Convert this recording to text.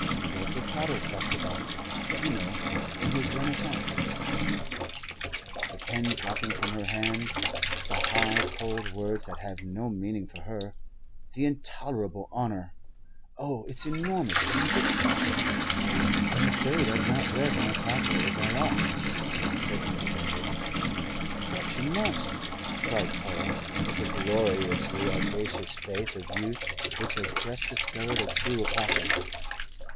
Walter Pater talks about it you know in his 'Renaissance' the pen dropping from her hand 'the high, cold words that have no meaning for her the intolerable honour'! Oh, it's enormous, isn't it?" "I'm afraid I've not read my Pater as I ought," said Miss Winwood. "But, you must!" cried Paul, with the gloriously audacious faith of youth which has just discovered a true apostle.